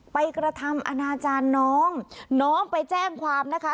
กระทำอนาจารย์น้องน้องไปแจ้งความนะคะ